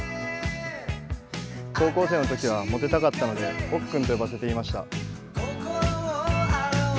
高校生のときは持てたかったので、おっ君と呼ばせていました。